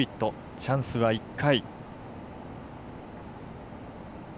チャンスは１回。